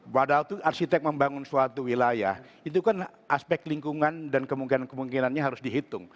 padahal itu arsitek membangun suatu wilayah itu kan aspek lingkungan dan kemungkinan kemungkinannya harus dihitung